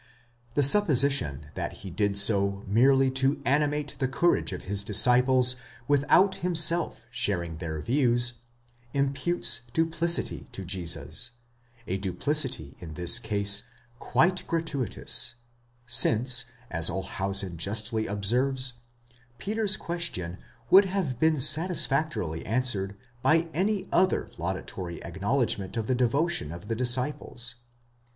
The supposition that he did so merely to animate the courage of his disciples, without himself sharing their views, imputes duplicity to Jesus ;—a duplicity in this case quite gratuitous, since, as Olshausen justly observes, Peter's question would have been satisfactorily answered by any other laudatory acknowledgment of the devotion of the disciples.